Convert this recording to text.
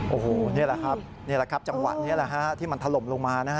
โอ้โหนี่แหละครับจังหวัดที่มันถล่มลงมา